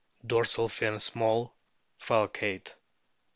Dorsal fin small, falcate.